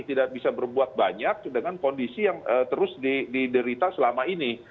tidak bisa berbuat banyak dengan kondisi yang terus diderita selama ini